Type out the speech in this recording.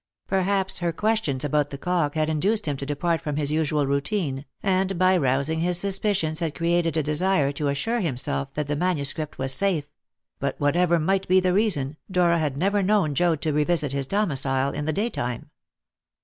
Perhaps her questions about the clock had induced him to depart from his usual routine, and by rousing his suspicions had created a desire to assure himself that the manuscript was safe; but whatever might be the reason, Dora had never known Joad to revisit his domicile in the daytime.